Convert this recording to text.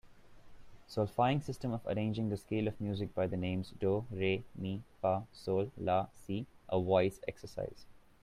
Solfaing system of arranging the scale of music by the names do, re, mi, fa, sol, la, si a voice exercise.